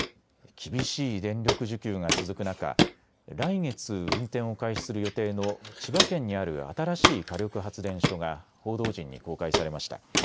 厳しい電力需給が続く中、来月、運転を開始する予定の千葉県にある新しい火力発電所が報道陣に公開されました。